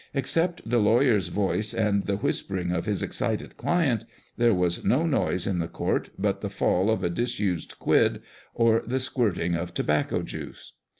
Except the lawyer's voice and the whispering of his excited client, there was no noise in the court but the fall of a disused quid or the squirling of tobacco juice.